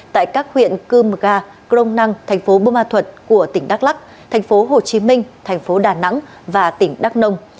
tại các huyện cưm gà crong năng tp bơ ma thuật của tỉnh đắk lắc tp hồ chí minh tp đà nẵng và tỉnh đắk nông